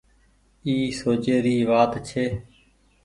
اي سوچي ري وآت ڇي۔